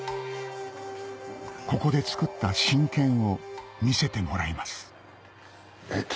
ここでつくった真剣を見せてもらいますえっ